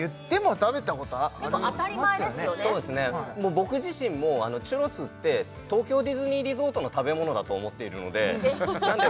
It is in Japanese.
僕自身もチュロスって東京ディズニーリゾートの食べ物だと思っているのでなんか